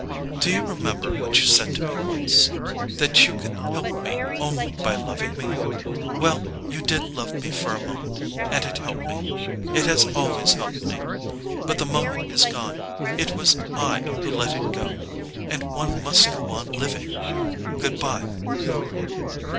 "Do you remember what you said to me once? That you could help me only by loving me? Well—you did love me for a moment; and it helped me. It has always helped me. But the moment is gone—it was I who let it go. And one must go on living. Goodbye."